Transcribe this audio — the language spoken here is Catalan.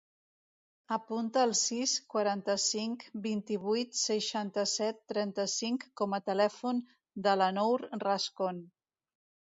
Apunta el sis, quaranta-cinc, vint-i-vuit, seixanta-set, trenta-cinc com a telèfon de la Nour Rascon.